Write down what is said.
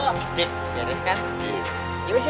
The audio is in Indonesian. ya ini sih